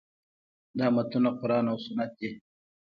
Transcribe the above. دا متنونه قران او سنت دي.